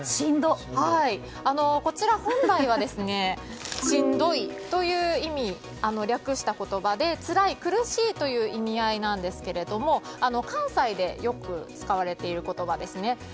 こちら、本来はしんどいを略した言葉で、つらい、苦しいという意味合いですが関西でよく使われている言葉ですね。